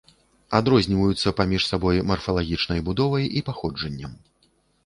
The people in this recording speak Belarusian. Адрозніваюцца паміж сабой марфалагічнай будовай і паходжаннем.